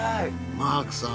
マークさん